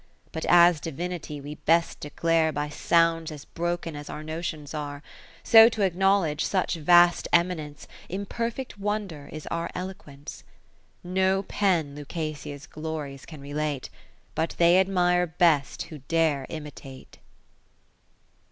But as Divinity we best declare By sounds as broken as our notions are ; So to acknowledge such Vast eminence, Imperfect wonder is our eloquence. (5^8) No pen Lucasia's glories can re late. But they admire best who dare imitate.